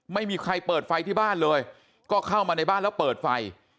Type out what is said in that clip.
ไม่มีใครเปิดไฟที่บ้านเลยก็เข้ามาในบ้านแล้วเปิดไฟ